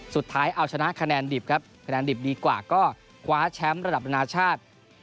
สุดท้ายเอาชนะคะแนนดิบครับคะแนนดิบดีกว่าก็คว้าแชมป์ระดับนานาชาติ